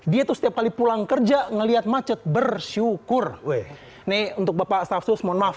dia tuh setiap kali pulang kerja ngelihat macet bersyukur weh nih untuk bapak stafsus mohon maaf